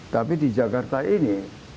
tapi di jakarta ini